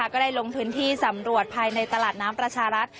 ก็ได้ลงพื้นที่สำรวจภายในตลาดน้ำประชารัฐ